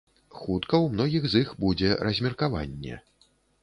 Хутка ў многіх з іх будзе размеркаванне.